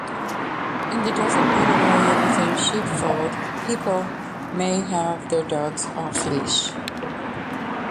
In the designated area within Sheepfold, people may have their dogs off leash.